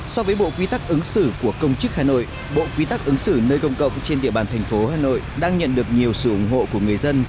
so với bộ quy tắc ứng xử của công chức hà nội bộ quy tắc ứng xử nơi công cộng trên địa bàn thành phố hà nội đang nhận được nhiều sự ủng hộ của người dân